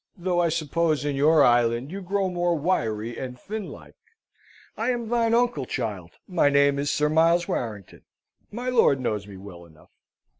Though I suppose in your island you grow more wiry and thin like. I am thine uncle, child. My name is Sir Miles Warrington. My lord knows me well enough."